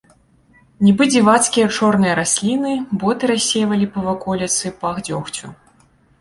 Нібы дзівацкія чорныя расліны, боты рассейвалі па ваколіцы пах дзёгцю.